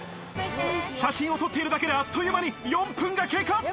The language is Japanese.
写真を撮っているだけで、あっという間に４分が経過。